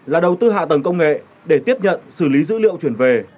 là đầu tư hạ tầng công nghệ để tiếp nhận xử lý dữ liệu chuyển về